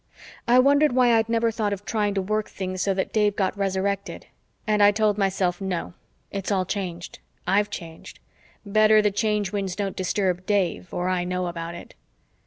I wondered why I'd never thought of trying to work things so that Dave got Resurrected and I told myself: no, it's all changed, I've changed, better the Change Winds don't disturb Dave or I know about it.